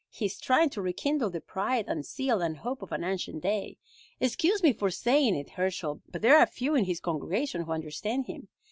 He is trying to rekindle the pride and zeal and hope of an ancient day. Excuse me for saying it, Herschel, but there are few in his congregation who understand him.